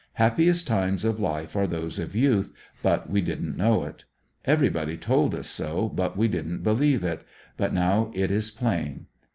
Happiest times of life are those of youth, but we didn't know it. Everybody told us so, but we didn't believe it; but now it is plain.